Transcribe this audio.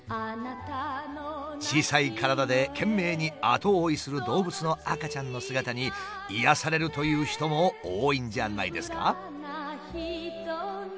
小さい体で懸命に後追いする動物の赤ちゃんの姿に癒やされるという人も多いんじゃないですか？